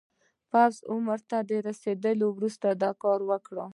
پوخ عمر ته له رسېدو وروسته دا کار وکړي.